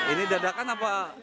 ini dadakan apa